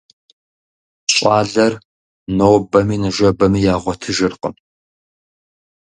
ЩӀалэр нобэми ныжэбэми ягъуэтыжыркъым.